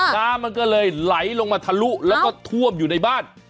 น้ำมันก็เลยไหลลงมาทะลุแล้วก็ท่วมอยู่ในบ้าน